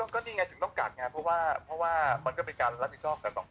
ก็นี่ไงที่ต้องกัดไงเพราะว่ามันก็เป็นการรับดีจอกการสังคม